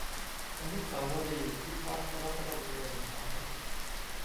อนุสาวรีย์พิทักษ์รัฐธรรมนูญหาย